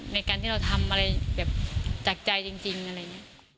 ในการที่เราทำอะไรแบบจากใจจริงอะไรอย่างนี้